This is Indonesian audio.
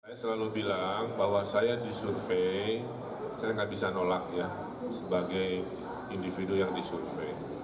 saya selalu bilang bahwa saya disurvey saya nggak bisa nolak ya sebagai individu yang disurvey